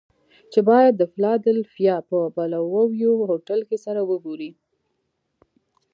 چې بايد د فلادلفيا په بلوويو هوټل کې سره وګوري.